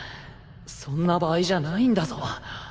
そんな場合じゃないんだぞ。